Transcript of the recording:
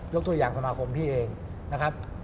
ตัวอย่างสมาคมพี่เองนะครับ